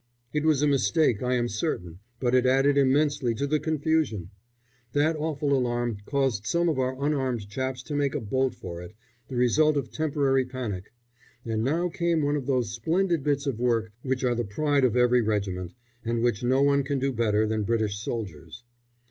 It was a mistake, I am certain, but it added immensely to the confusion. That awful alarm caused some of our unarmed chaps to make a bolt for it, the result of temporary panic; and now came one of those splendid bits of work which are the pride of every regiment, and which no one can do better than British soldiers.